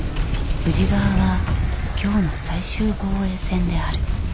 宇治川は京の最終防衛線である。